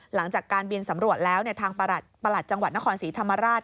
หลังจากการบินสำรวจแล้วทางประหลัดจังหวัดนครศรีธรรมราช